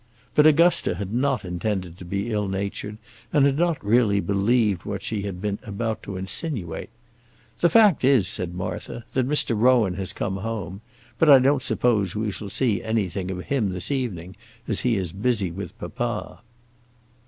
But Augusta had not intended to be ill natured, and had not really believed what she had been about to insinuate. "The fact is," said Martha, "that Mr. Rowan has come home; but I don't suppose we shall see anything of him this evening as he is busy with papa."